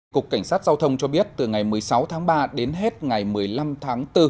cục cảnh sát giao thông cho biết từ ngày một mươi sáu tháng ba đến hết ngày một mươi năm tháng bốn